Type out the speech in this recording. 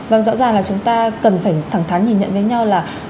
vâng rõ ràng là chúng ta cần phải thẳng thắn nhìn nhận với nhau là